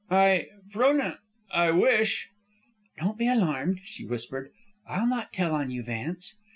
"I Frona ... I wish " "Don't be alarmed," she whispered. "I'll not tell on you, Vance."